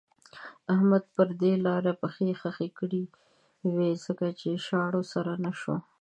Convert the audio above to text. احمد پر دې لاره پښې خښې کړې وې ځکه پر شاړو سر نه شو.